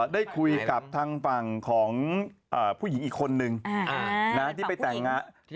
ได้คุยกับทางฝั่งของผู้หญิงอีกคนนึงที่ไปแต่งงาน